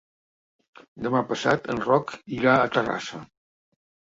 Demà passat en Roc irà a Terrassa.